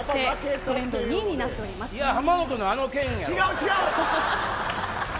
違う違う。